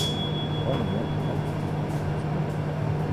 Wanneer houdt dit nu eens op?